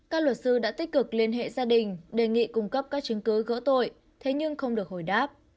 các luật sư đã tích cực liên hệ gia đình đề nghị cung cấp các chứng cứ gỡ tội thế nhưng không được hồi đáp